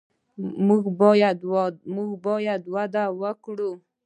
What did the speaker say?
موږ باید وده ورکړو.